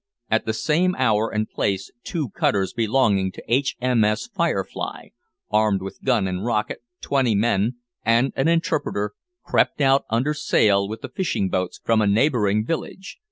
At the same hour and place two cutters belonging to H.M.S. `Firefly,' armed with gun and rocket, twenty men, and an interpreter, crept out under sail with the fishing boats from a neighbouring village.